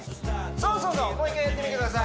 そうそうもう一回やってみてください